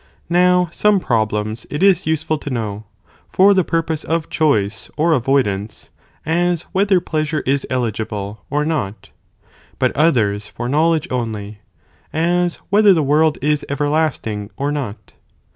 Now some problems it is useful to know, for the purpose of choice or avoidance, as whether pleasure is eligible or not, but others for know ledge only, as whether the world is everlasting or not